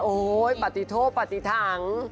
โอ้โหปฏิโทษปฏิถัง